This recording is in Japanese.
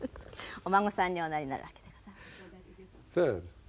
お孫さんにおなりになるわけでございますね。